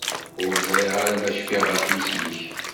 Ur ẓriɣ ara ma cfiɣ ɣef yisem-ik.